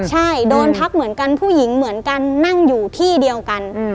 ใช่โดนทักเหมือนกันผู้หญิงเหมือนกันนั่งอยู่ที่เดียวกัน